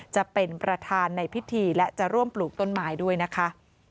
จะเป็นประธานในพิธีและจะร่วมปลูกต้นไม้ด้วยนะคะ